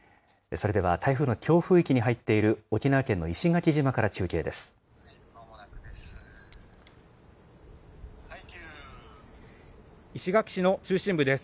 それでは台風の強風域に入っている沖縄県の石垣島から中継です。